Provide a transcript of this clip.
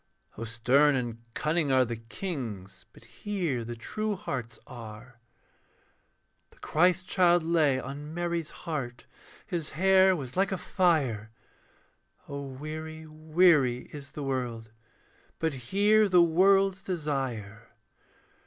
(O stern and cunning are the kings, But here the true hearts are.) The Christ child lay on Mary's heart, His hair was like a fire. (O weary, weary is the world, But here the world's desire.)